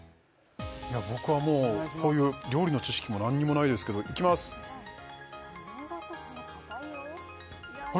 僕はもうこういう料理の知識も何もないですけどいきますあれ！？